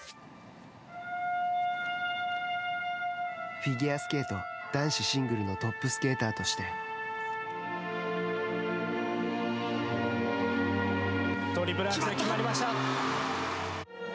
フィギュアスケート男子シングルのトップスケーターとしてトリプルアクセル決まりました。